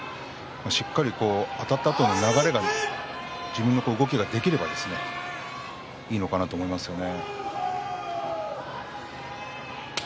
しっかりとあたったあとの流れが自分の動きができればいいのかなと思いますよね。